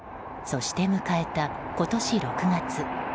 そして迎えた今年６月。